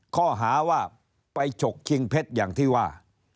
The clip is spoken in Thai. ข้อหาว่าไปฉกชิงเพชรอย่างที่ว่า